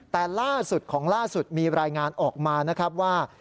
แต่ล่าสุดของล่าสุดมีรายงานออกมานะครับว่า